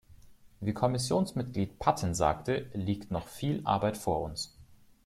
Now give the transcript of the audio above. Wie Kommissionsmitglied Patten sagte, liegt noch viel Arbeit vor uns.